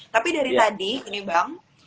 tapi dari tadi ini bang